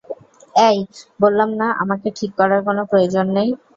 অ্যাই, বললাম না, আমাকে ঠিক করার কোনো প্রয়োজন নেই।